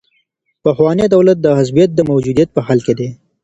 پخوانی دولت د عصبيت د موجودیت په حال کي دی.